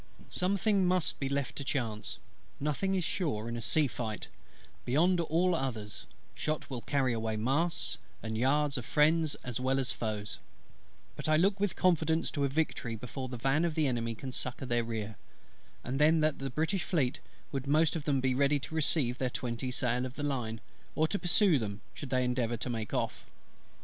Something must be left to chance: nothing is sure in a sea fight, beyond all others; shot will carry away masts and yards of friends as well as foes: but I look with confidence to a victory before the van of the Enemy could succour their rear; and then that the British Fleet would most of them be ready to receive their twenty sail of the line, or to pursue them should they endeavour to make off.